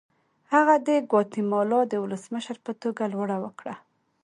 هغه د ګواتیمالا د ولسمشر په توګه لوړه وکړه.